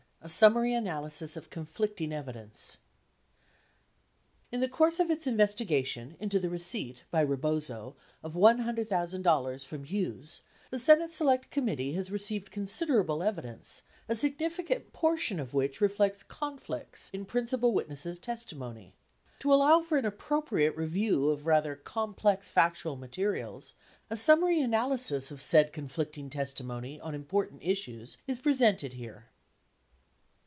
A SUMMARY ANALYSIS OF CONFLICTING EVIDENCE In the course of its investigation into the receipt by Rebozo of $100,000 from Hughes, the Senate Select Committee has received con siderable evidence, a significant portion of which reflects conflicts in principal witnesses' testimony. To allow for an appropriate review of rather complex factual materials, a summary analysis of said con flicting testimony on important issues is presented here.